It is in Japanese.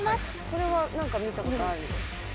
これは何か見たことあるよ。